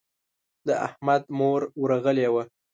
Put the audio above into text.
د احمد مور ورغلې وه.